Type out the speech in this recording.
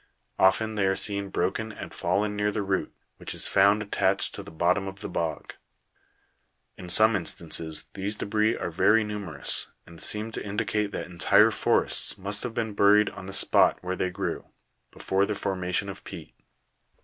Often they are seen broken and fallen near the root, which is found attached to the bottom of the bog. In some instances these debris are very numerous, and seem to indicate that entire forests must have been buried on the spot where they grew, before the formation of peat.